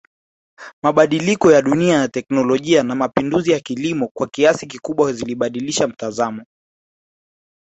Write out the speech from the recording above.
Mabadiliko ya dunia na teknolijia na mapinduzi ya kilimo kwa kiasi kikubwa zilibadilisha mtazamo